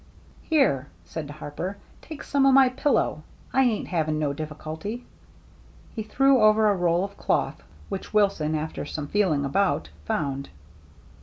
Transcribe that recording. "Here," said Harper, "take some o' my pillow. I ain't having no difficulty." He threw over a roll of cloth, which Wilson, after some feeling about, found.